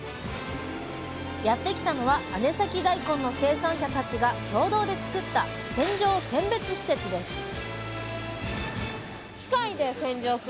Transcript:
やって来たのは姉崎だいこんの生産者たちが共同で作った洗浄選別施設です